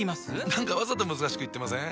何かわざと難しく言ってません？